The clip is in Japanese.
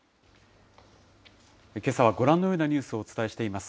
けさはご覧のようなニュースをお伝えしています。